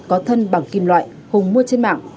có thân bằng kim loại hùng mua trên mạng